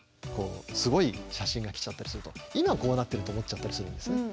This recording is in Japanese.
すごい写真が来ちゃったりすると今こうなってると思っちゃったりするんですね。